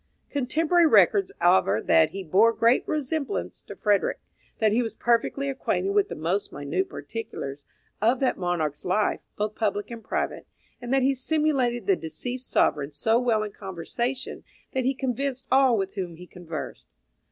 Contemporary records aver that he bore great resemblance to Frederick, that he was perfectly acquainted with the most minute particulars of that monarch's life, both public and private, and that he simulated the deceased sovereign so well in conversation that he convinced all with whom he conversed.